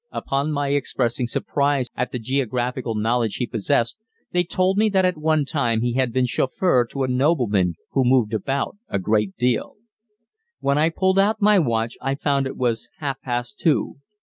Upon my expressing surprise at the geographical knowledge he possessed, they told me that at one time he had been chauffeur to a nobleman who moved about a great deal. When I pulled out my watch I found it was half past two.